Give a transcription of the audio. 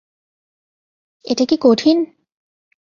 এটা কি কঠিন?